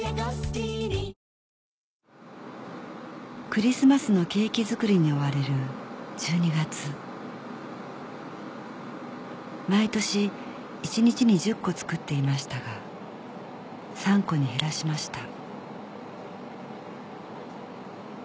クリスマスのケーキ作りに追われる１２月毎年一日に１０個作っていましたが３個に減らしました